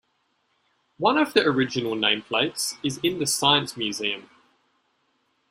One of the original nameplates is in the Science Museum.